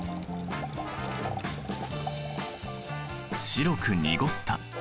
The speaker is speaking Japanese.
白く濁った。